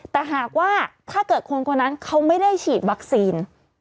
แต่หากว่าถ้าเกิดคนคนนั้นเขาไม่ได้ฉีดวัคซีน